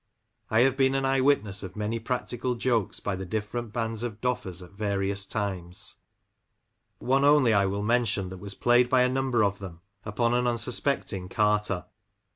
I have been an eye witness of many practical jokes by the different bands of Doffers at various times ; one only I will mention that was played by a number of them upon an unsuspecting carter.